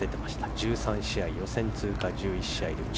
１３試合、予選通過１１試合のうち